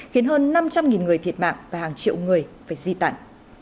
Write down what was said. khiến hơn năm trăm linh người thiệt mạng và hàng triệu người phải di tản